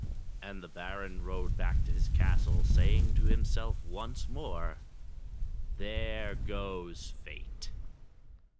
And the Baron rode back to his castle saying to himself once more :There goes Fate!"